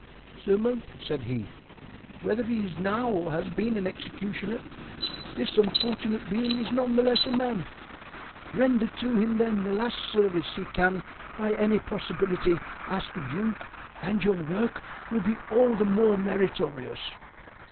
"Sir monk," said he, "whether he is now or has been an executioner, this unfortunate being is none the less a man. Render to him, then, the last service he can by any possibility ask of you, and your work will be all the more meritorious."